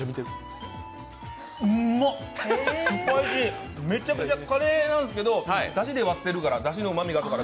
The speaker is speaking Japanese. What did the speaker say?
うんまっ、めちゃくちゃカレーなんですけど、だしで割ってるから、だしのうまみがあるから。